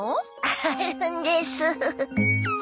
あるんです。